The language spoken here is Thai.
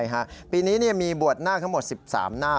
ใช่ปีนี้มีบทหน้าทั้งหมด๑๓หน้า